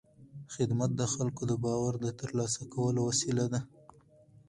خدمت د خلکو د باور د ترلاسه کولو وسیله ده.